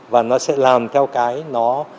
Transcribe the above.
và nó sẽ làm theo cái nó